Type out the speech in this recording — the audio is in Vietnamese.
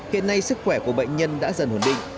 hiện nay sức khỏe của bệnh nhân đã dần ổn định